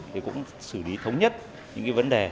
để cũng xử lý thống nhất những vấn đề